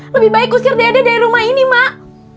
lebih baik kusir dede dari rumah ini emak